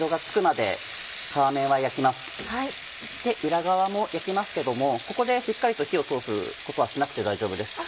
で裏側も焼きますけどもここでしっかりと火を通すことはしなくて大丈夫です。